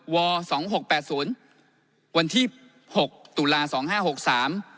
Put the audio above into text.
อสองหกแปดศูนย์วันที่หกตุลาสองห้าหกสาม